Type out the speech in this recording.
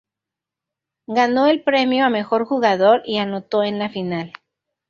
Ganó el premio a mejor jugador y anotó en la final.